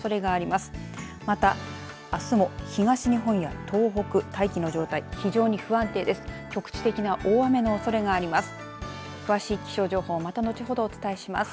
また、あすも東日本や東北、大気の状態非常に不安定です。